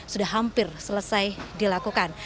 sudah hampir selesai dilakukan